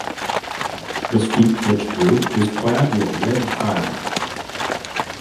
The steep pitched roof is clad with red tile.